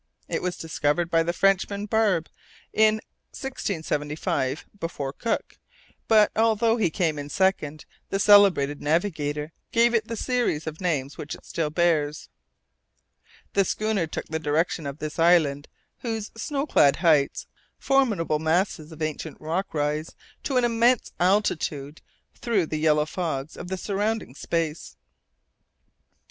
It was discovered by the Frenchman, Barbe, in 1675, before Cook; but, although he came in second, the celebrated navigator gave it the series of names which it still bears. The schooner took the direction of this island, whose snow clad heights formidable masses of ancient rock rise to an immense altitude through the yellow fogs of the surrounding space.